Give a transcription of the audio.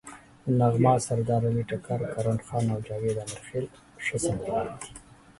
نغمه، سردارعلي ټکر، کرن خان او جاوید امیرخیل ښه سندرغاړي دي.